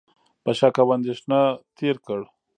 په شک او اندېښنه تېر کړ،